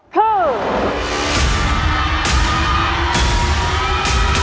เปิดค่ะ